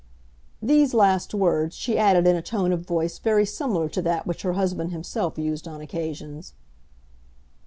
These last words she added in a tone of voice very similar to that which her husband himself used on occasions.